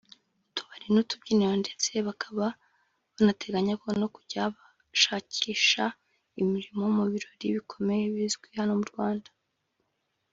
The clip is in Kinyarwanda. utubari n’utubyiniro ndetse bakaba banateganya no kujya bashakisha imirimo mu birori bikomeye bizwi hano mu Rwanda